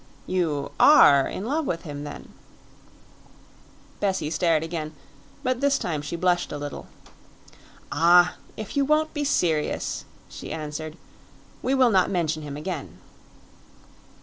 "You ARE in love with him then?" Bessie stared again; but this time she blushed a little. "Ah! if you won't be serious," she answered, "we will not mention him again."